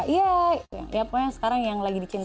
iya pokoknya sekarang yang lagi dicintai